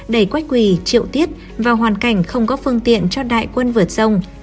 đẩy quách quỳ triệu tiết vào hoàn cảnh không có phương tiện cho đại quân vượt sông